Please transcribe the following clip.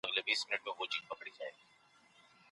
بیوزلي په ټولنه کي جرمونه زیاتوي.